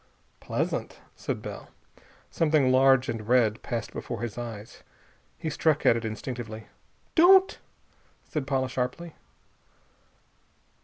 "Pleasant," said Bell. Something large and red passed before his eyes. He struck at it instinctively. "Don't!" said Paula sharply.